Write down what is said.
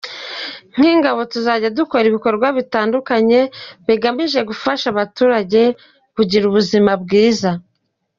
Nk’ingabo tuzajya dukora ibikorwa bitandukanye bigamije gufasha abaturage kugira ubuzima bwiza.